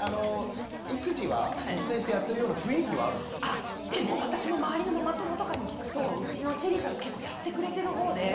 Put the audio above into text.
あでも私も周りのママ友とかに聞くとうちのチェリーさん結構やってくれてるほうで。